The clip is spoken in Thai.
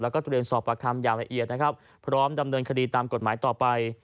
แล้วก็เตรียมสอบประคำอย่างละเอียดนะครับพร้อมดำเนินคดีตามกฎหมายต่อไป